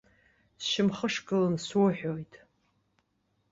Сшьамхнышгылан суҳәоит.